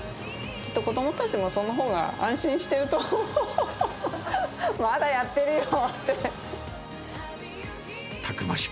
きっと子どもたちもそのほうが安心してると思う、まだやってるよ